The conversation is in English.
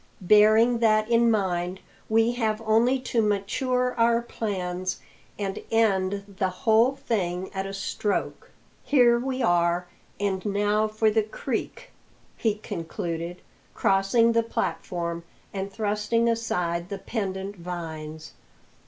Bearing that in mind, we have only to mature our plans and end the whole thing at a stroke. Here we are, and now for the creek," he concluded, crossing the platform and thrusting aside the pendent vines.